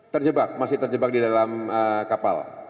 terjebak masih terjebak di dalam kapal